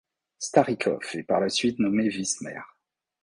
Starikov est par la suite nommé vice-maire.